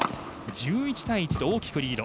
１１対１と大きくリード。